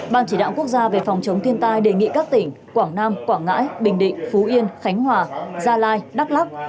ban chỉ đạo quốc gia về phòng chống thiên tai đề nghị các tỉnh quảng nam quảng ngãi bình định phú yên khánh hòa gia lai đắk lắc